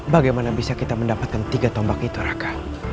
bagaimana bisa kita mendapatkan tiga tombak itu raka